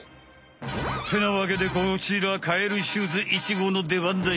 ってなわけでこちらカエルシューズ１号のでばんだい。